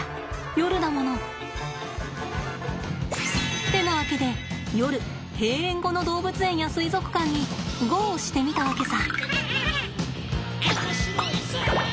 夜だもの。ってなわけで夜閉園後の動物園や水族館にゴーしてみたわけさ。